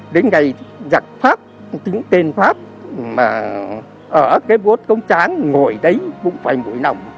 đến ngày giặc pháp tính tên pháp mà ở cái bốt công tráng ngồi đấy bụng phải ngủi nồng